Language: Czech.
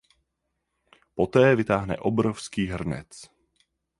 Poté vytáhne obrovský hrnec.